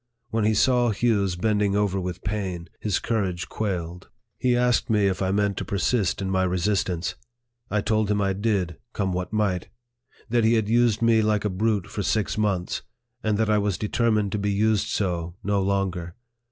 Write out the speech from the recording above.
When he saw Hughes bending over with pain, his courage quailed. 72 NARRATIVE OF THE He asked me if I meant to persist in my resistance. 1 told him I did, come what might ; that he had used me like a brute for six months, and that I was determined to be used so no longer.